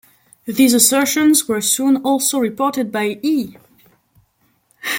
These assertions were soon also reported by E!